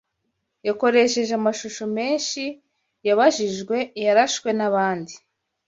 yakoresheje amashusho menshi yabajijwe yarashwe nabandi